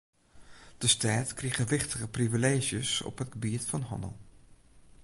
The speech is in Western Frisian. De stêd krige wichtige privileezjes op it gebiet fan hannel.